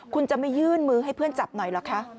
คุณจะไม่ยื่นมือให้เพื่อนจับหน่อยเหรอคะ